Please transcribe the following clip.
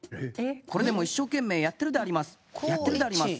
これでも一生懸命やってるであります。